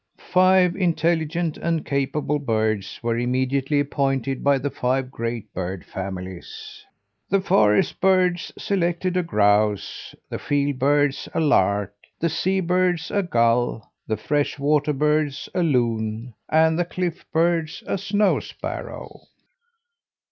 "Five intelligent and capable birds were immediately appointed by the five great bird families. "The forest birds selected a grouse, the field birds a lark, the sea birds a gull, the fresh water birds a loon, and the cliff birds a snow sparrow.